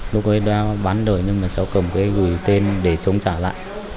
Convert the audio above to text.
lúc ấy đã bắn đuổi nhưng mà cháu cầm cái gửi tên để cháu trả lại